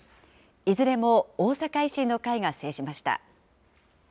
いずれも大阪維新の会が制しました。